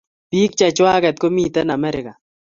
Pik che chwakek komiten America.